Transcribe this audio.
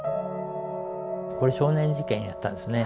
これ少年事件やったんですね。